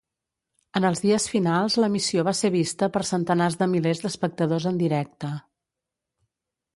En els dies finals l'emissió va ser vista per centenars de milers d'espectadors en directe.